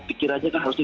pikirannya kan harusnya